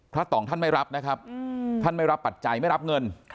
ต่องท่านไม่รับนะครับท่านไม่รับปัจจัยไม่รับเงิน